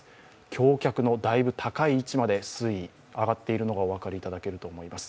橋脚のだいぶ高い位置まで水位上がっているのがお分かりいただけるとおもいます。